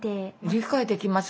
理解できます。